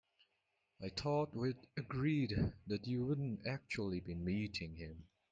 I thought we'd agreed that you wouldn't actually be meeting him?